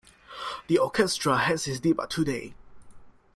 The orchestra has its debut today.